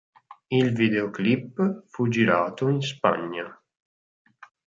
Il videoclip fu girato in Spagna.